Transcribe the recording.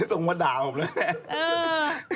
นี่ส่งมาด่าผมแล้วแหละ